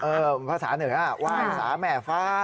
เออภาษาเหนือว่าไหว้สาแม่ฟ้า